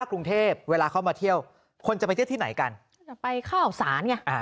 กรุงเทพเวลาเข้ามาเที่ยวคนจะไปเที่ยวที่ไหนกันจะไปข้าวสารไงอ่า